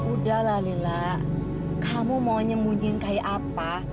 udah lah lila kamu mau nyemunyiin kayak apa